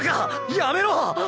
やめろ！